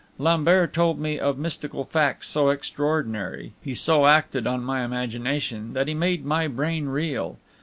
Lambert told me of mystical facts so extraordinary, he so acted on my imagination, that he made my brain reel.